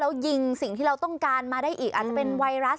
แล้วยิงสิ่งที่เราต้องการมาได้อีกอาจจะเป็นไวรัส